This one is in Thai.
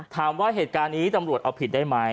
ถามว่าเหตุการณ์นี้ตำรวจเอาผิดได้ไหม